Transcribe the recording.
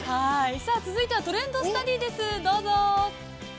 さあ続いてはトレンドスタディです、どうぞ。